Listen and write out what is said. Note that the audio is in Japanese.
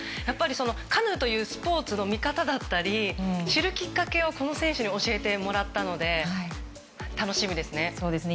カヌーというスポーツの見方だったり知る機会をこの選手に教えてもらったので楽しみですね。